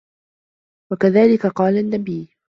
وَكَذَلِكَ قَالَ النَّبِيُّ